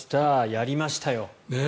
やりました。